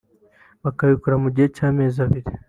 bakabikora mu gihe cy’amezi abiri